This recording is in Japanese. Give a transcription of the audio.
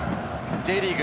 Ｊリーグ